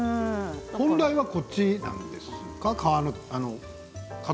本来はこっちなんですか？